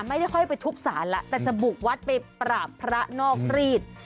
ไม่ได้ค่อยไปทุบสารแล้วแต่จะบุกวัดไปปราบพระนอกรีด